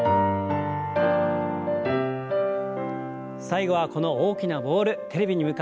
最後はこの大きなボールテレビに向かって投げてみましょう。